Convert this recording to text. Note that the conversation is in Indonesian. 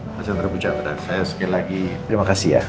pak chandra puchandra saya sekali lagi